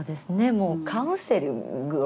もうカウンセリングを。